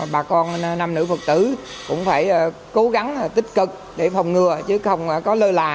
bà con nam nữ phật tử cũng phải cố gắng tích cực để phòng ngừa chứ không có lơ là